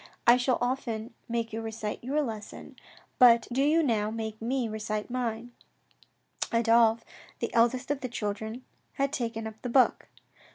I shall often make you recite your lesson, but do you make me now recite mine." Adolphe, the eldest of the children, had taken up the book.